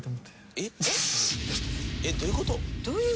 えっどういう事？